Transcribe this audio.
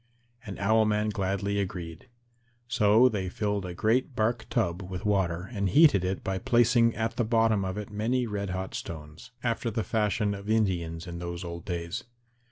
And Owl man gladly agreed. So they filled a great bark tub with water and heated it by placing at the bottom of it many red hot stones, after the fashion of Indians in those old days.